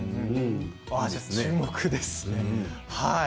注目ですね。